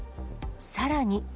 さらに。